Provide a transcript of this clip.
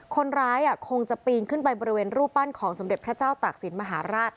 คนร้ายคงจะปีนขึ้นไปบริเวณรูปปั้นของสมเด็จพระเจ้าตากศิลปมหาราช